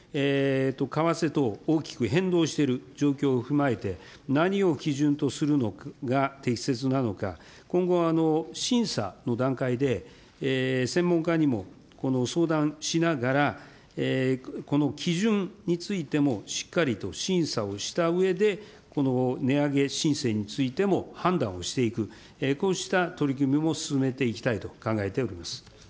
為替等大きく変動している状況を踏まえて、何を基準とするのが適切なのか、今後、審査の段階で、専門家にも相談しながら、この基準についてもしっかりと審査をしたうえで、この値上げ申請についても判断をしていく、こうした取り組みも進めていきたいと考えております。